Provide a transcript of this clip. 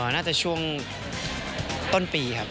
น่าจะช่วงต้นปีครับ